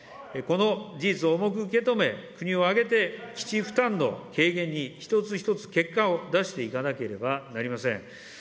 この事実を重く受け止め、国を挙げて基地負担の軽減に、一つ一つ結果を出していかなければなりません。